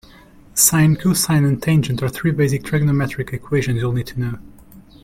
Sine, cosine and tangent are three basic trigonometric equations you'll need to know.